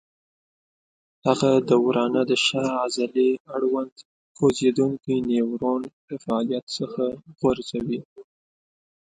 هغه د ورانه د شا عضلې اړوند خوځېدونکی نیورون له فعالیت څخه غورځوي.